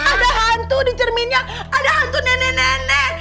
ada hantu di cerminnya ada hantu nenek nenek